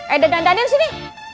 ayo dandan dandanin sini